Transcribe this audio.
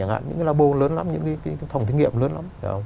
những cái labo lớn lắm những cái thòng thí nghiệm lớn lắm